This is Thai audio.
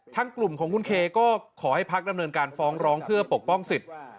กลุ่มของคุณเคก็ขอให้พักดำเนินการฟ้องร้องเพื่อปกป้องสิทธิ์